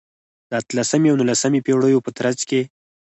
د اتلسمې او نولسمې پېړیو په ترڅ کې.